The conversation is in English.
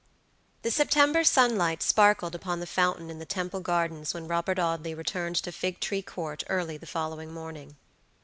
The September sunlight sparkled upon the fountain in the Temple Gardens when Robert Audley returned to Figtree Court early the following morning.